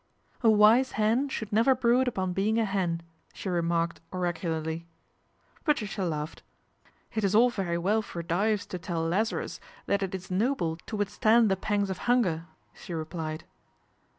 " A wise hen should never brood upon being i hen," she remarked oracularly. Patricia laughed. " It is all very well for Dives o tell Lazarus that it is noble to withstand the Dangs of hunger," she replied.